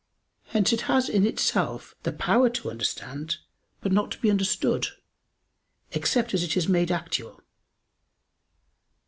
Hence it has in itself the power to understand, but not to be understood, except as it is made actual.